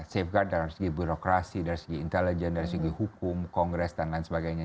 safeguard dari segi birokrasi dari segi intelijen dari segi hukum kongres dan lain sebagainya